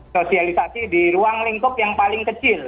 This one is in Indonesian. sosialisasi di ruang lingkup yang paling kecil